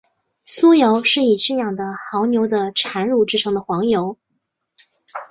酥油是以驯养的牦牛的产乳制成的黄油。